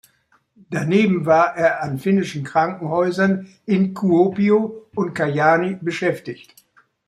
Daneben war er an finnischen Krankenhäusern in Kuopio und Kajaani beschäftigt.